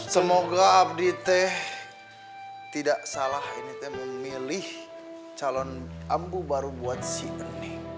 semoga abditeh tidak salah ini teh memilih calon ibu baru buat si neng